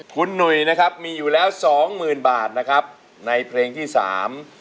คุณหนุ่ยนะครับมีอยู่แล้วสองหมื่นบาทนะครับในเพลงที่สาม